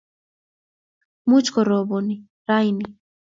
much korobon rauni